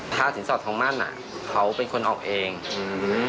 ถ้าสินสอดทองมั่นอ่ะเขาเป็นคนออกเองอืม